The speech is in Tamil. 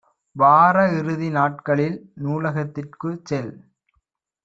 வார இறுதி நாட்களில் நூலகத்திற்கு செல்.